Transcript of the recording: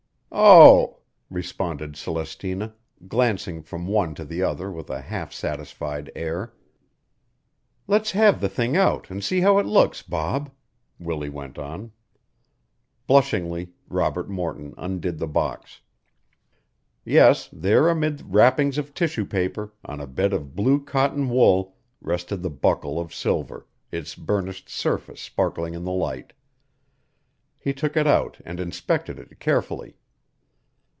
"Oh," responded Celestina, glancing from one to the other with a half satisfied air. "Let's have the thing out an' see how it looks, Bob," Willie went on. Blushingly Robert Morton undid the box. Yes, there amid wrappings of tissue paper, on a bed of blue cotton wool, rested the buckle of silver, its burnished surface sparkling in the light. He took it out and inspected it carefully.